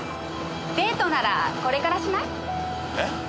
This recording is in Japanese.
デートならこれからしない？えっ？